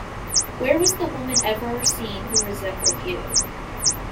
Where was the woman ever seen who resembled you?